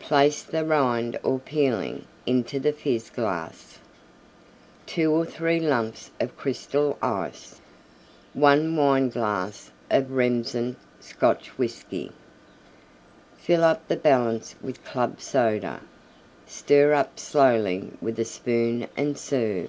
Place the Rind or Peeling into the Fizz glass. 2 or 3 lumps of Crystal Ice. 1 Wineglass of Remsen Scotch Whiskey. Fill up the balance with Club Soda; stir up slowly with a spoon and serve.